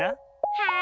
はい。